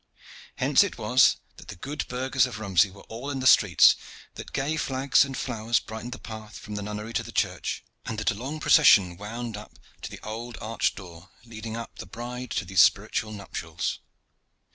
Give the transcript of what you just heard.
Hence was it that the good burghers of Romsey were all in the streets, that gay flags and flowers brightened the path from the nunnery to the church, and that a long procession wound up to the old arched door leading up the bride to these spiritual nuptials.